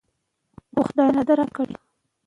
که ماشومان خوندي چاپېریال ولري، وده کوي.